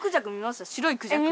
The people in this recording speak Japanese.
白いクジャク。